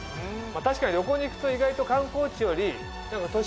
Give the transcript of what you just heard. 確かに旅行に行くと意外と観光地より。